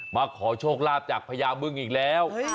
มาขอโชคลาภจากพญาบึงอีกแล้ว